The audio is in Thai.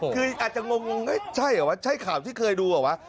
คืออาจจะงงใช่เหรอวะใช่ข่าวที่เคยดูเหรอวะ